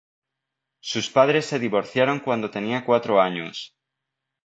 Sus padres se divorciaron cuando tenía cuatro años.